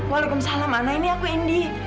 waalaikumsalam ana ini aku indi